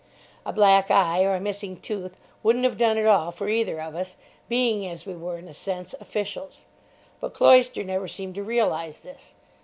A black eye or a missing tooth wouldn't have done at all for either of us, being, as we were, in a sense, officials. But Cloyster never seemed to realise this.